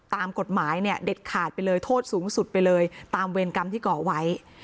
ตามกฎหมายเนี่ยเด็ดขาดไปเลยโทษสูงสุดไปเลยตามเวรกรรมที่ก่อไว้